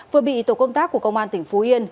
vừa bị tổ công tác của công an tỉnh phú yên